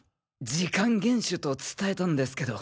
時間厳守と伝えたんですけど。